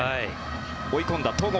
追い込んだ戸郷。